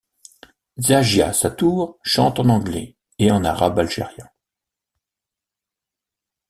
Djazia Satour chante en anglais et en arabe algérien.